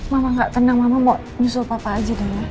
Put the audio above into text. mama gak kenal mama mau nyusul papa aja dulu